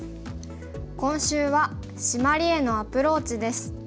今週は「シマリへのアプローチ」です。